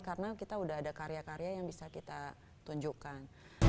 karena kita udah ada karya karya yang bisa kita tunjukkan